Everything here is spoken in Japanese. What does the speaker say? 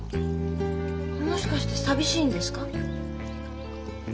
もしかして寂しいんですか？